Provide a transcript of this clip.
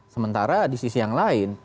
sementara di sisi yang lain